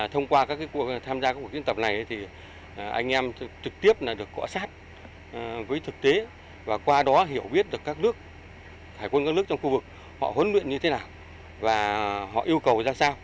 thông qua các cuộc tham gia các cuộc diễn tập này thì anh em trực tiếp được cọ sát với thực tế và qua đó hiểu biết được các nước hải quân các nước trong khu vực họ huấn luyện như thế nào và họ yêu cầu ra sao